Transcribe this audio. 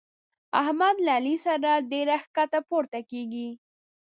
احمد له علي سره ډېره کښته پورته کېږي.